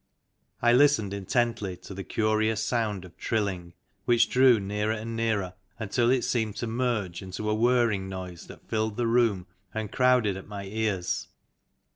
I listened intently to the curious sound of trilling, which drew nearer and nearer, until it seemed to merge into a whirring noise that filled the room and crowded at my ears.